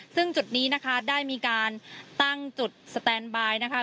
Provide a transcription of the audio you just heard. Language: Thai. ซึ่งจุดนี้นะคะได้มีการตั้งจุดสแตนบายนะคะ